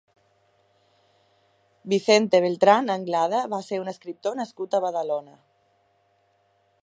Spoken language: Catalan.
Vicente Beltrán Anglada va ser un escriptor nascut a Badalona.